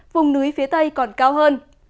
vùng núi phía tây còn cao hơn